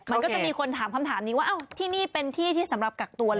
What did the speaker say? มันก็จะมีคนถามคำถามนี้ว่าที่นี่เป็นที่ที่สำหรับกักตัวเหรอ